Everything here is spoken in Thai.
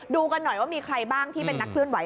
ดูกันหน่อยว่ามีใครบ้างที่เป็นนักเคลื่อนไห